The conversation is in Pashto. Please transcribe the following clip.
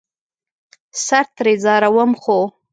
سر ترې ځاروم ،خو